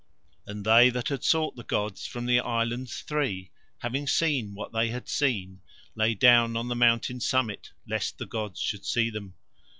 And they that had sought the gods from the Islands Three, having seen what they had seen, lay down on the mountain summit lest the gods should see them.